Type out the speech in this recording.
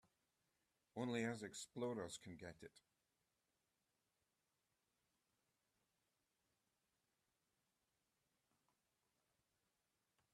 Only us explorers can get it.